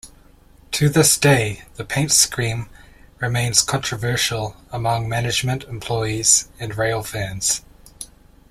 To this day, the paint scheme remains controversial among management, employees and rail fans.